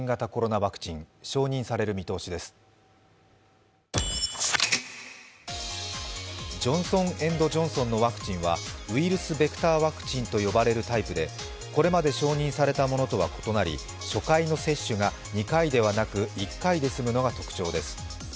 ジョンソン・エンド・ジョンソンのワクチンはウイルスベクターワクチンと呼ばれるタイプで、これまで承認されたものとは異なり、初回の接種が２回ではなく１回で済むのが特徴です。